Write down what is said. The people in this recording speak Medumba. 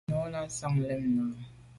Nu i làn me lèn o.